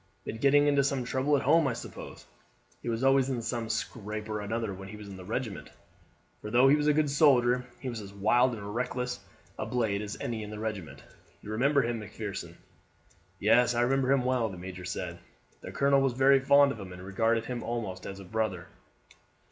Been getting into some trouble at home, I suppose? He was always in some scrape or other when he was in the regiment, for, though he was a good soldier, he was as wild and reckless a blade as any in the regiment. You remember him, Macpherson?" "Yes, I remember him well," the major said. "The colonel was very fond of him, and regarded him almost as a brother."